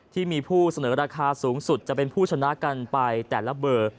ที่มีผู้เสนอราคาสูงสุดจะเป็นผู้ชนะกันไปแต่ละเบอร์